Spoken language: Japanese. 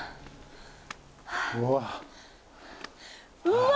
うわ。